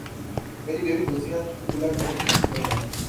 میری گہری دوستیاں تلہ گنگ میں ہیں۔